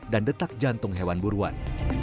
dan detak jantung hewan buruan